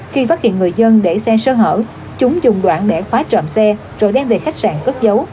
khi phát hiện người dân để xe sơ hở chúng dùng đoạn để khóa trộm xe rồi đem về khách sạn cất giấu